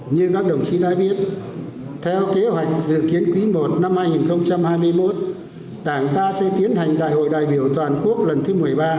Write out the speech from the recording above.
như các đồng chí đã biết theo kế hoạch dự kiến quý i năm hai nghìn hai mươi một đảng ta sẽ tiến hành đại hội đại biểu toàn quốc lần thứ một mươi ba